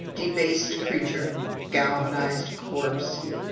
Debased creature! galvanized corpse!